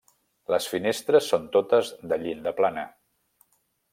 Les finestres són totes de llinda plana.